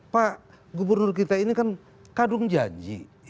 pak gubernur kita ini kan kadung janji